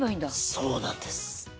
そうなんです！